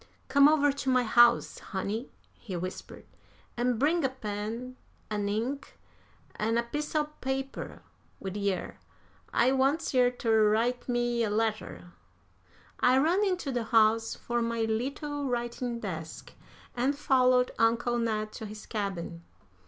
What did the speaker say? "Come over to my house, honey," he whispered, "an' bring a pen an' ink an' a piece o' paper wid yer. I wants yer ter write me a letter." I ran into the house for my little writing desk, and followed Uncle Ned to his cabin.